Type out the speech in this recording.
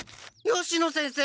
吉野先生！